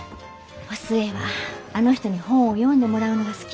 お寿恵はあの人に本を読んでもらうのが好きだったからね。